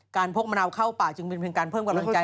พกมะนาวเข้าป่าจึงเป็นเพียงการเพิ่มกำลังใจ